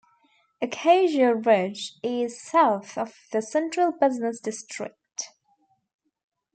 Acacia Ridge is south of the central business district.